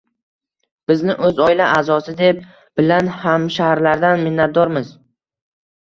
Bizni o‘z oila a’zosi deb bilan hamshaharlardan minnatdormiz!»